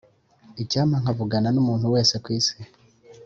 icyampa nkavugana numuntu wese kwisi.